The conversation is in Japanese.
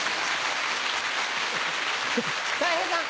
たい平さん。